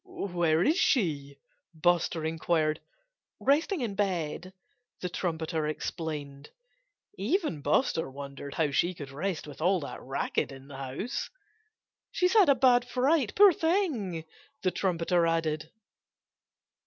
"Where is she?" Buster inquired. "Resting in bed," the trumpeter explained. (Even Buster wondered how she could rest with all that racket in the house!) "She's had a bad fright, poor thing!" the trumpeter added.